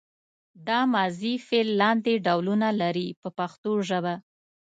دا ماضي فعل لاندې ډولونه لري په پښتو ژبه.